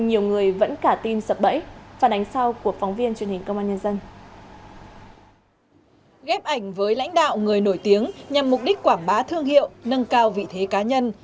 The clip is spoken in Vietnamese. ghép ảnh với lãnh đạo người nổi tiếng nhằm mục đích quảng bá thương hiệu nâng cao vị thế cá nhân